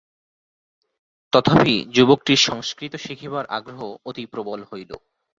তথাপি যুবকটির সংস্কৃত শিখিবার আগ্রহ অতি প্রবল হইল।